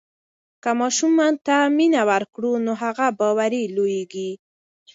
که ماشوم ته مینه ورکړو نو هغه باوري لویېږي.